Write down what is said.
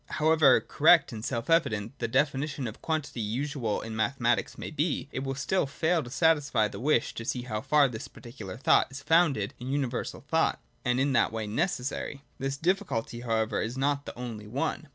However correct and self evident the definition of quantity usual in Mathematics may be, it will still fail to satisfy the wish to see how far this particular thought is founded in universal thought, and in that way necessary. This difficulty, how ever, is not the only one.